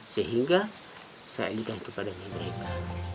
sehingga saya inginkan kepada mereka